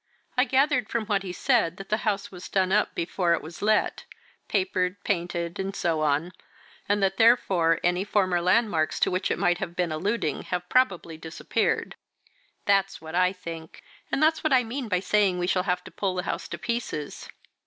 I gathered from what he said that the house was done up before it was let papered, painted, and so on, and that therefore any former landmarks to which it might have been alluding have probably disappeared." "That's what I think, and that's what I mean by saying we shall have to pull the house to pieces."